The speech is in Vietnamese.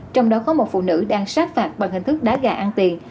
trong đó có một phụ nữ đang sát phạt bằng hình thức đá gà ăn tiền